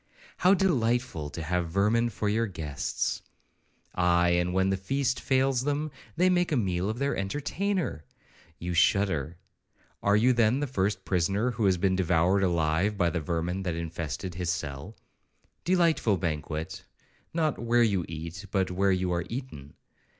—How delightful to have vermin for your guests! Aye, and when the feast fails them, they make a meal of their entertainer!—You shudder—Are you, then, the first prisoner who has been devoured alive by the vermin that infested his cell?—Delightful banquet, not 'where you eat, but where you are eaten!'